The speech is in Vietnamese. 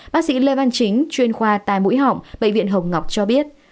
bác sĩ lê văn chính chuyên khoa tai mũi họng bệnh viện hồng ngọc cho biết